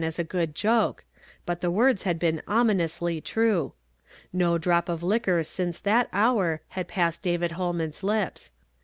109 as a good joke, but the words hud been OTninoualy true. No drop of li(iuor siiioo that lioiir Imd passed David Ilolinairs lips.